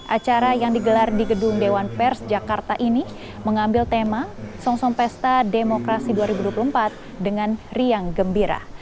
acara yang digelar di gedung dewan pers jakarta ini mengambil tema song song pesta demokrasi dua ribu dua puluh empat dengan riang gembira